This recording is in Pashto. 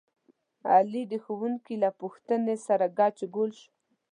علي د ښوونکي له پوښتنې سره ګچ ګول شو.